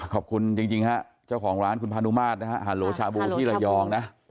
ขอบคุณจริงจ้าของร้านคุณพานุมาสฮาโลชาบูที่ระยองนะ